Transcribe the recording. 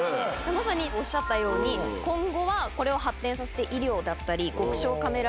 まさにおっしゃったように今後はこれを発展させて。